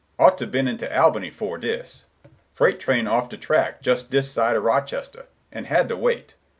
Ought to been into Albany 'fore dis. Freight train off de track jus' dis side o' Rochester, an' had to wait.